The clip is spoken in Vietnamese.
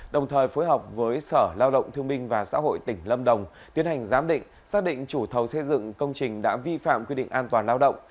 đồng thời phối hợp với sở lao động thương minh và xã hội tỉnh lâm đồng tiến hành giám định xác định chủ thầu xây dựng công trình đã vi phạm quy định an toàn lao động